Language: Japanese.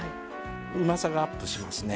うまさがアップしますね。